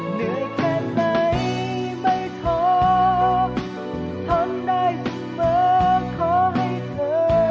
เหนื่อยแค่ไหนไม่ท้อทนได้เสมอขอให้เธอ